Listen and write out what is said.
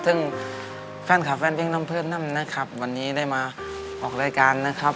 ซึ่งแฟนคลับแฟนเพลงน้ำเพื่อนนั้นนะครับวันนี้ได้มาออกรายการนะครับ